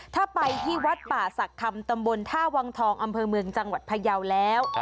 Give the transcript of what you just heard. ถ้าไปที่วัดป่าศักดิ์คำตำบลท่าวังทองอำเภอเมืองจังหวัดพยาวแล้ว